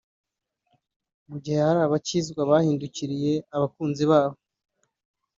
Mu gihe hari abakizwa bahindukiriye abakunzi babo